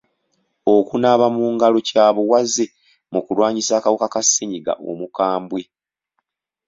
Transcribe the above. Okunaaba mu ngalo kya buwaze mu kulwanyisa akawuka Ka ssenyiga omukambwe.